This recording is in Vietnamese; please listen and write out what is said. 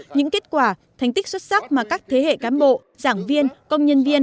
những kết quả thành tích xuất sắc mà các thế hệ cán bộ giảng viên công nhân viên